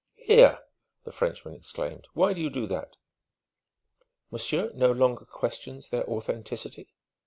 "Here!" the Frenchman exclaimed. "Why do you do that?" "Monsieur no longer questions their authenticity?"